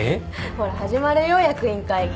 ほら始まるよ役員会議。